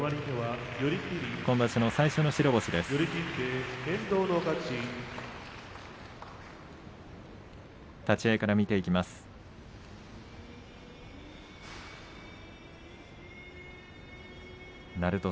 今場所最初の白星です遠藤。